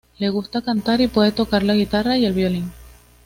Le gusta cantar y puede tocar la guitarra y el violín.